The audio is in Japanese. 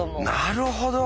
なるほど。